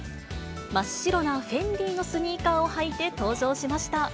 真っ白なフェンディのスニーカーを履いて登場しました。